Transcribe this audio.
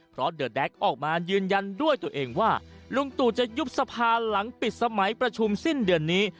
เพราะเดอร์แด๊กออกมายืนยันด้วยตัวเองว่าลุงตู่จะยุบสภาหลังปิดสมัยประชุมสิ้นเดือนนี้